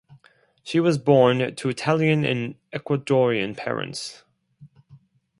She was born to Italian and Ecuadorian parents.